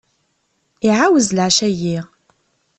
Iɛawez leɛca-ayyi.